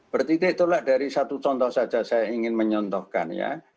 bertitik itulah dari satu contoh saja saya ingin menyontohkan ya